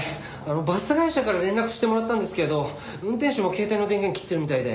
バス会社から連絡してもらったんですけど運転手も携帯の電源切ってるみたいで。